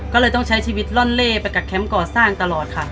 ก็เลยต้องใช้ชีวิตล่อนเล่ไปกับแคมป์ก่อสร้างตลอดค่ะ